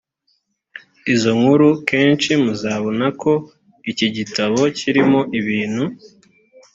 izo nkuru kenshi muzabona ko iki gitabo kirimo ibintu